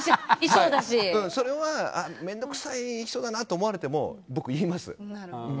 それは、面倒くさい人だなと思われても僕言います。